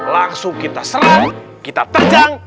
langsung kita serut kita terjang